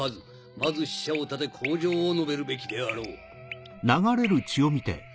まず使者を立て口上を述べるべきであろう。